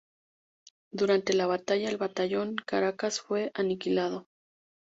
Durante la batalla el batallón Caracas fue aniquilado.